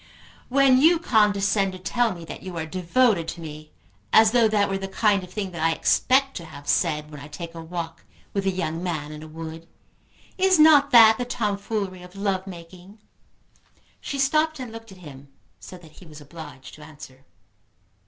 "When you condescend to tell me that you are devoted to me, as though that were the kind of thing that I expect to have said when I take a walk with a young man in a wood, is not that the tomfoolery of love making?" She stopped and looked at him, so that he was obliged to answer.